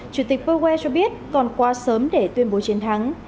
chủ tịch powell cho biết còn qua sớm để tuyên bố chiến thắng